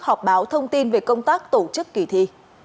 họp báo thông tin về công tác tổ chức kỳ thi